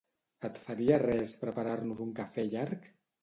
Et faria res preparar-nos un cafè llarg?